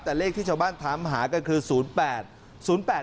แต่เลขที่ชาวบ้านถามหาก็คือ๐๘๐๘๘